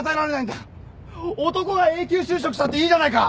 男が永久就職したっていいじゃないか。